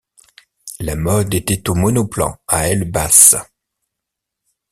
La mode était aux monoplans à aile basse.